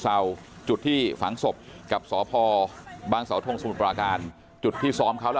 ส์ซาวจุดที่ฝังศพกับสพบ้านขาลสสวุปราการจุดที่ซ้อมเขาแล้ว